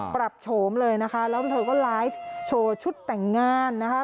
โฉมเลยนะคะแล้วเธอก็ไลฟ์โชว์ชุดแต่งงานนะคะ